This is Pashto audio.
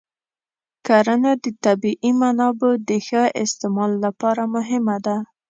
کرنه د طبیعي منابعو د ښه استعمال لپاره مهمه ده.